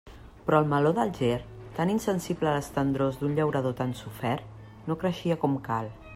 Però el meló d'Alger, tan insensible a les tendrors d'un llaurador tan sofert, no creixia com cal.